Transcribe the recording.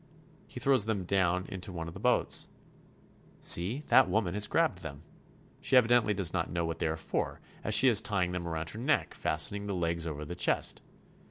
He throws them down into one of the boats. See, that woman has grabbed them. She evidently does not know what they are for, as she is tying them around her neck, fastening the legs over the chest.